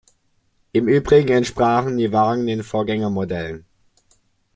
Im Übrigen entsprachen die Wagen den Vorgängermodellen.